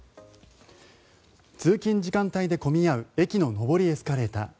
通勤時間帯で混み合う駅の上りエスカレーター。